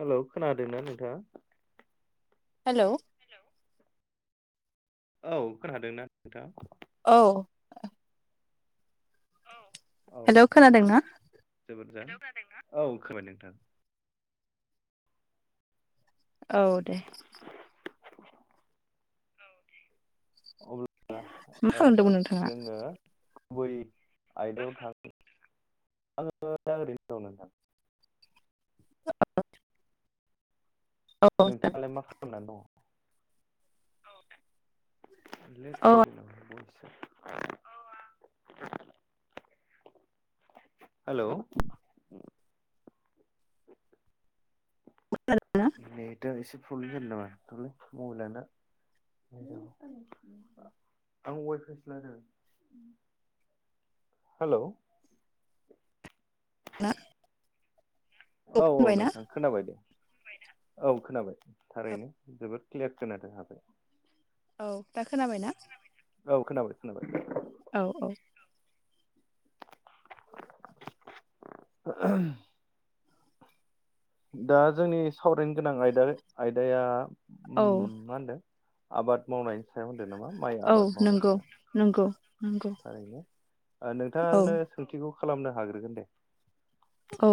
Hello खोनादोंना नोंथाङा hello औ खोनादों ना नोंथाङा औ औ हेलौ खोनादों ना जोबोद औ खोनाबाय नोंथां औ दे अ [inaudible] ओ ओ मा ओ खालामदोंमोन नोंथाङा? जोङो गुबै आयदायाव थां [unintelligible] आङो दा ओरैनो दं नोंथां। [unintelligible] औ नोंथाङालाय मा खालामनानै दङ? औ [inaudible] औ [inaudible] हेल। ना नेदा इसे प्रब्लेम जादों नामा हरलाय मबाइला नोंना आं वायफाइसो लादों हेल न [inaudible] औ औ नोंथां खोनाबाय दे औ खोनाबाय थारैनो जोबोद क्लियार खोनादो दा औ दा खोनाबायना। औ खोनाबाय खोनाबाय औ औ [inaudible] दा जोंनि सावरायनो गोनां आयदा आयदाया औ मा होनदों आबाद मावनाय होनदों नामा माइ औ आबाद मावनायनि नंगौ सायाव नंगौ नंगौ थारैनो औ नोंथाङानो सोंथिखौ। खालामनो हाग्रोगोन दे औ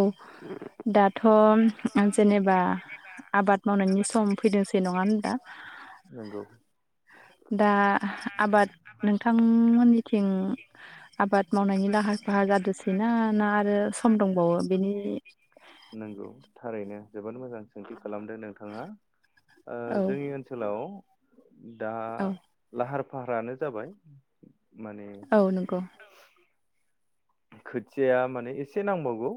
दाथ दाथ' जेनेबा आं जेनेबा आबाद मावनायनि आबाद सम मावनायनि सम फैदोंसै नङा होनबा फैदोंसै नङा होमब्ला नंगौ। दा आबाद नोंथांमोननिथिं आबाद मावनायनि लाहार फाहार जादोसैना ना आरो सम दंबावो बेनि नंगौ थारैनो जोबोद मोजां सोंथि। खालामदों नोंथाङा ओ औ जोंनि ओनसोलाव। दा औ लाहार फाहारानो जाबाय माने औ नंगौ। खोथिया माने एसे नांबावगौ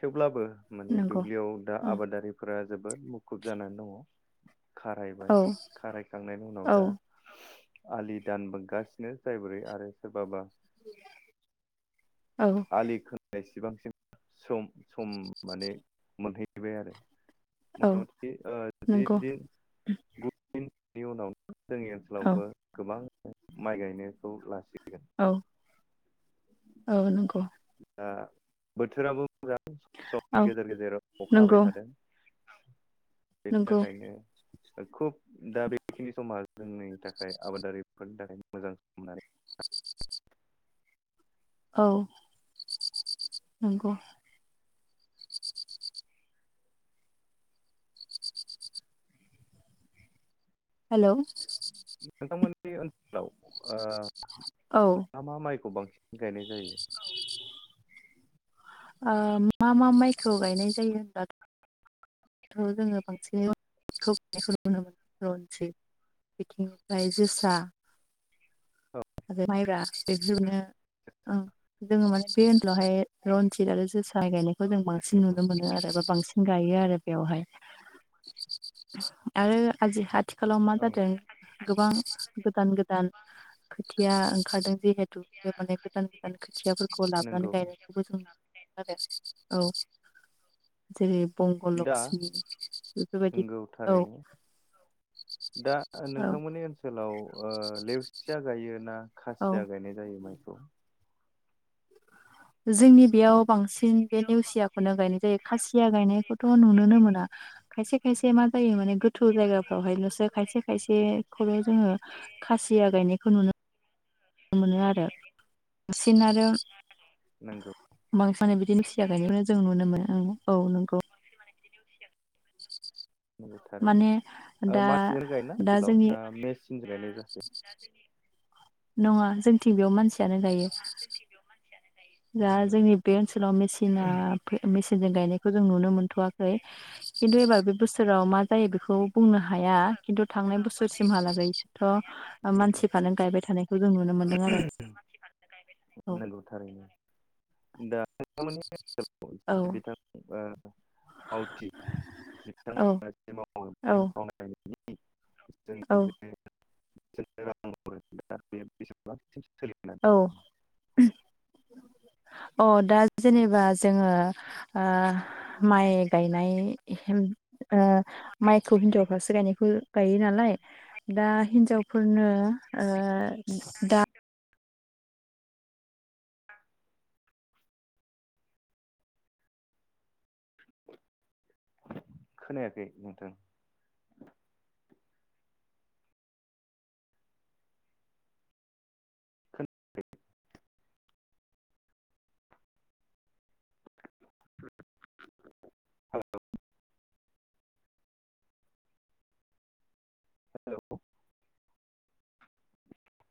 थेवब्लाबो। माने नंगौ दुब्लियाव दा औ आबादारिफोरा जोबोद मुखुब जानानै दङ। खारायबाय औ खारायखांनायनि उनाव औ दा आलि दानबोगासिनो जाय बोरै आरो सोरबाबा [unintelligible] औ आलि खोनाय सेबांसिन सम सम माने मोनहैबाय आरो औ मथा मथि ओ जि नंगौ दिन गु दिन नि उनाव जोंनि औ ओनसोलावबो गोबां माइ गायनायखौ लासिगोन औ औ नंगौ दा बोथोराबो मोजां औ सम गेजेर गेजेर अखा नंगौ हाबाय थादों बेनि नंगौ थाखायनो खुब दा बेखिनि समा जोंनि थाखाय आबादारिफोरनि थाखाय मोजां सम होननानै औ नंगौ हेलौ बे ओनसोलाव आ औ ओ मा मा माइखौ बांसिन गायनाय जायो औ ओ मा मा माइखौ गायनाय जायो होनब्लाथ' जोङो बांसिनखौ गायनायखौ नुनो मोनो रनजिद बिथिंनिफ्राय जोसा आरो माइब्रा बेदिनो ओं जोङो माने बे ओनसोलावहाय रन जिद आरो जोसा गायनायखौ जों बांसिन नुनो मोनो आरो बा बांसिन गायो आरो बेयावहाय आरो आजि हाथ आथिखालाव मा औ जादों गोबां गोदान गोदान खोथिया ओंखारदों जिहेथु बे माने गोदान गोदान खोथियाफोरखौ लाबोनानै नंगौ गायनायखौबो जों अके औ जेरै बंग दा लक्ष्मि बेफोरबायदि नोंगौ औ थारैनो दा औ नोंथांमोननि ओनसोलाव ओ लेवसिया जायो ना औ खासिया गायनाय जायो माइखौ जोंनि बेयाव बांसिन बे नेवसियाखौनो गायनाय जायो खासिया गायनायखौथ' नुुनोनो मोना खायसे खायसे मा जायो माने गोथौ जायगाफ्रावहायल'सो खायसे खायसेखौल' जोङो खासिया गायनायखौ नुनो मोन मोनो आरो बांसिन आरो नंगौ बांसिन माने बिदिनो सिया गायनायखौनो जों नुनो मोनो औ नोंखौ बिदिनो उसिया नंगौ माने थारैनो दा मास सिजोन गाय ना दा आथिखाव जोंनि ना मे सिन जो गायनाय [unintelligible] नङा जोंनिथिं बेयाव मानसियानो गायो म जोंथि बेयाव मानसियानो दा जोंनि बे ओनसोलाव मेसिना मेसिनजों गायनायखौ जों नुनो मोनथ'वाखै खिन्थु एबार बे बोसोराव मा जायो बेखौ बुंनो हाया खिन्थु थांनाय बोसोरसिमहालागैथ' नंगौ मानसिफ्रानो गायबाय थानायखौ जों नुनो मोनदों आरो औ नंगौ थारैनो दा [unintelligible] औ ओ मावथि औ बिथांमोन औ औ रां हरो [unintelligible] औ [unintelligible] अ दा जेनेबा जोङो ओ माइ गायनाय ओ माइखौ हिनजावफ्रासो गायनायखौ गायो नालाय दा हिनजावफोरनो ओ दा खोनायाखै नोंथां खोना हेल'